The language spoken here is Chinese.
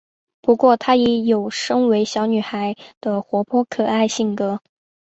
不过她也有身为小女孩的活泼可爱性格。